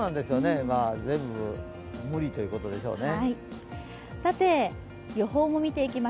全部無理ということでしょうね。